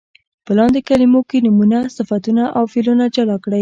په لاندې کلمو کې نومونه، صفتونه او فعلونه جلا کړئ.